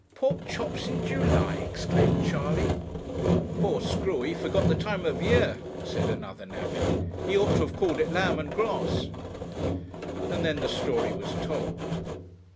'Pork chops in July!' exclaimed Charley. 'Poor Screwy forgot the time of year,' said another navvy; 'he ought to have called it lamb and grass.' And then the story was told.